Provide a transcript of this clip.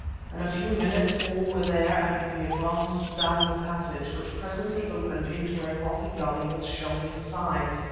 In a few minutes all were there, and we advanced down the passage, which presently opened into a rocky gulley with shelving sides.